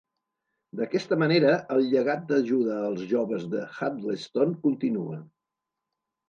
D'aquesta manera, el llegat d'ajuda als joves de Huddleston continua.